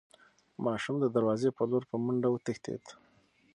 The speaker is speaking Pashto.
ماشوم د دروازې په لور په منډه وتښتېد.